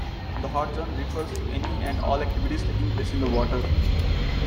The Hot Zone refers to any and all activities taking place in the water.